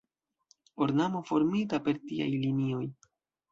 Ornamo formita per tiaj linioj.